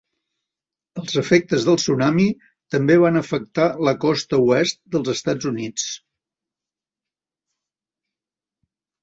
Els efectes del tsunami també van afectar la costa oest dels Estats Units.